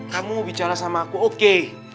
kamu bicara sama aku oke